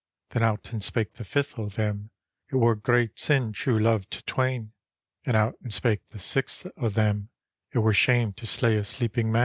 Then out and spake the fifth o' them, " It were great sin true love to twain," And out and spake the sixth o' them, " It were shame to slay a sleeping man."